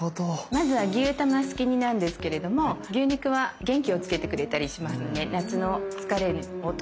まずは牛卵すき煮なんですけれども牛肉は元気をつけてくれたりしますので夏の疲れをとってくれる食材ですね。